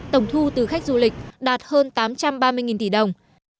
tổng thu từ khách du lịch đạt hơn tám trăm ba mươi tỷ đồng